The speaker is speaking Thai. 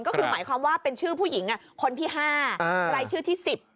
ก็คือหมายความว่าเป็นชื่อผู้หญิงคนที่๕รายชื่อที่๑๐